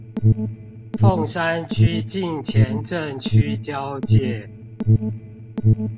鳳山區近前鎮區交界